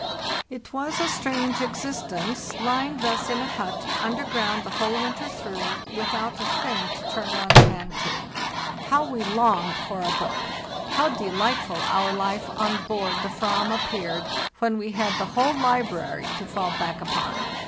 It was a strange existence, lying thus in a hut under eround the whole winter through, without a thing to oS THE NEW VEAR, 1896 457 turn one's hand to. How we longed for a book! How delightful our life on board the "vam appeared, when we had the whole library to fall back upon!